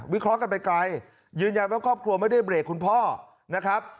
เคราะห์กันไปไกลยืนยันว่าครอบครัวไม่ได้เบรกคุณพ่อนะครับ